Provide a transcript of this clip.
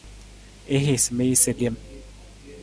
I hiisa mi jasa lem.